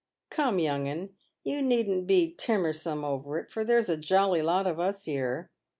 " Come young'un, you needn't be timorsome over it, for there's a jolly lot of us here."